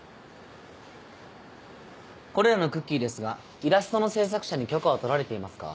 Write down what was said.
これらのクッキーですがイラストの制作者に許可は取られていますか？